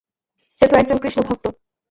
সে তো একজন কৃষ্ণভক্ত।